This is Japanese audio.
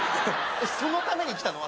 そのために来たの？